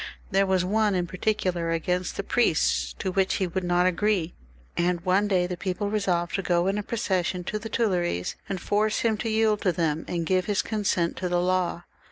There was one in particular against the priests to which he would not agree, and one day the people resolved to go in a procession to the Tuileries and force him to yield to them, and give his consent to the law.